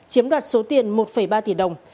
chiếm đoạt số tiền một ba tỷ đồng